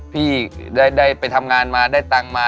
พี่ได้ไปทำงานมาได้ตังค์มา